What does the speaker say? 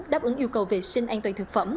đáp ứng yêu cầu vệ sinh an toàn thực phẩm